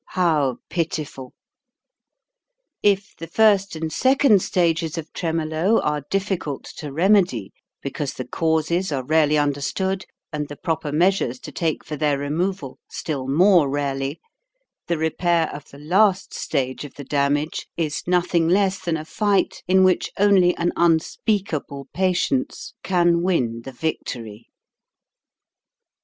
How pitiful ! If the first and second stages of tremolo are difficult to remedy, because the causes are rarely understood and the proper meas ures to take for their removal still more rarely, the repair of the last stage of the damage is nothing less than a fight in which only an unspeakable patience can win the victory.